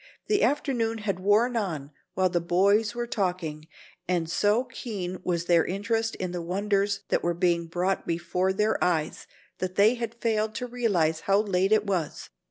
The afternoon had worn on while the boys were talking, and so keen was their interest in the wonders that were being brought before their eyes that they had failed to realize how late it was.